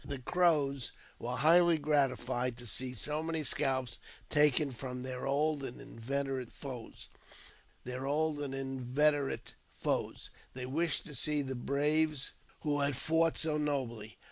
The Cro^ were highly gratified to see so many scalps taken from thei old and inveterate foes. They wished to see the braves wh< had fought so nobly.